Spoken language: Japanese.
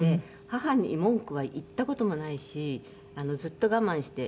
母に文句は言った事もないしずっと我慢して。